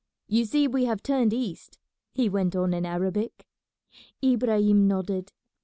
You see we have turned east," he went on in Arabic. Ibrahim nodded.